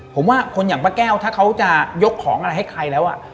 ผมว่าคนอย่างป้าแก้วถ้าเขาจะยกของอะไรให้ใครแล้ว